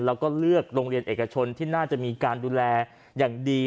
แล้วก็เลือกโรงเรียนเอกชนที่น่าจะมีการดูแลอย่างดี